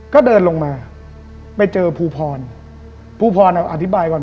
ก็เดินลงมาไปเจอภูพรภูพรเอาอธิบายก่อน